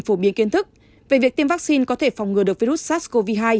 phổ biến kiến thức về việc tiêm vaccine có thể phòng ngừa được virus sars cov hai